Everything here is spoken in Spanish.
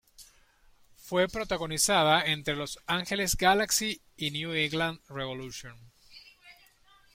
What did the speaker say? Fue protagonizada entre Los Angeles Galaxy y New England Revolution.